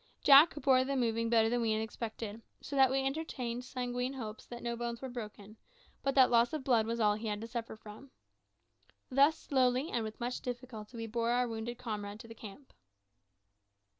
Jack bore the moving better than we had expected, so that we entertained sanguine hopes that no bones were broken, but that loss of blood was all he had to suffer from. Thus slowly and with much difficulty we bore our wounded comrade to the camp.